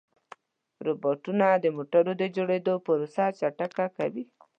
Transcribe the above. روبوټونه د موټرو د جوړېدو پروسه چټکه کوي.